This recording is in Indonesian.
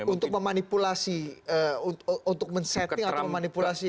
untuk memanipulasi untuk men setting atau memanipulasi